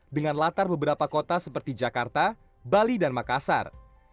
dengan latar beberapa kota seperti jakarta bali dan makassar